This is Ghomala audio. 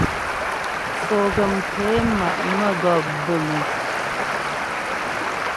Foguəm ké ma' mə́gɔp bə̌m é.